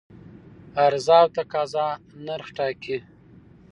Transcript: عرضه او تقاضا نرخ ټاکي